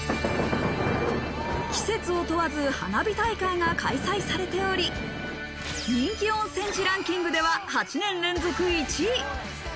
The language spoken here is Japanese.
季節を問わず、花火大会が開催されており、人気温泉地ランキングでは８年連続１位。